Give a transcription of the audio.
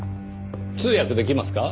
通訳できますか？